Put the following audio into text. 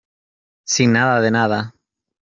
sin nada de nada.